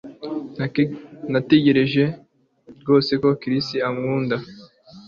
Natekerezaga rwose ko Chris ankunda